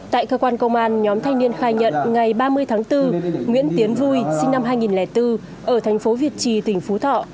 tại cơ quan công an nhóm thanh niên khai nhận ngày ba mươi tháng bốn nguyễn tiến vui sinh năm hai nghìn bốn ở thành phố việt trì tỉnh phú thọ